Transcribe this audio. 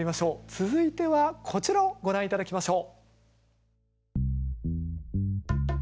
続いてはこちらをご覧頂きましょう。